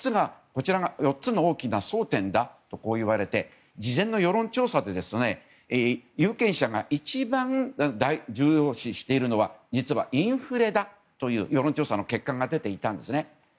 ４つの大きな争点だといわれて事前の世論調査で有権者が一番重要視しているのは実はインフレだという世論調査の結果が出ていたんですね。